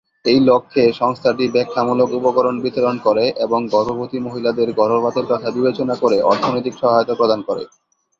এই লক্ষ্যে, সংস্থাটি ব্যাখ্যামূলক উপকরণ বিতরণ করে এবং গর্ভবতী মহিলাদের গর্ভপাতের কথা বিবেচনা করে অর্থনৈতিক সহায়তা প্রদান করে।